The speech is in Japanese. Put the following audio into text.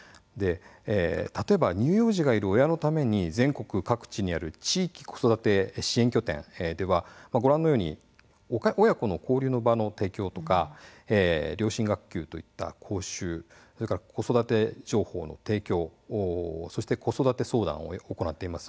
例えば乳幼児がいる親のために全国にある地域子育て支援拠点ではご覧のように親子の交流の場の提供とか両親学級といった講習子育て情報の提供そして子育て相談を行っています。